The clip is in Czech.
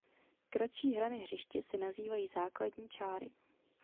Kratší hrany hřiště se nazývají základní čáry.